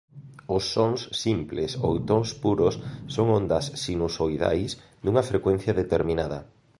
Os sons simples ou tons puros son ondas sinusoidais dunha frecuencia determinada.